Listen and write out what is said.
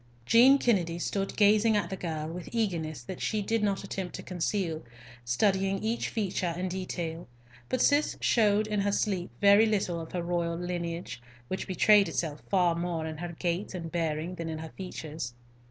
Jean Kennedy stood gazing at the girl with eagerness that she did not attempt to conceal, studying each feature in detail; but Cis showed in her sleep very little of her royal lineage, which betrayed itself far more in her gait and bearing than in her features.